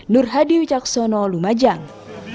nurhadi ucaksono lumajang